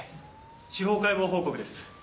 司法解剖報告です。